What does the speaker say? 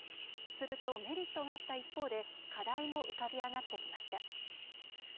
すると、メリットがあった一方で課題も浮かび上がってきました。